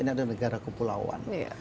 ini adalah negara kepulauan